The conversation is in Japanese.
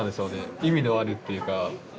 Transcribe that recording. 意味のあるっていうか。